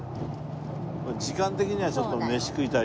時間的にはちょっと飯食いたい。